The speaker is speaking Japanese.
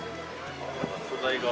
素材が。